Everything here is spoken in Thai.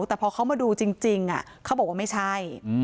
แต่พอเขามาดูจริงเขาบอกว่าไม่ใช่